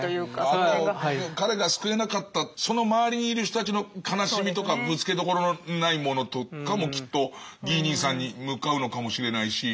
彼が救えなかったその周りにいる人たちの悲しみとかぶつけどころのないものとかもきっとギー兄さんに向かうのかもしれないし。